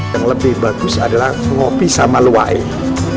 yang lebih bagus adalah kopi sama luwak ini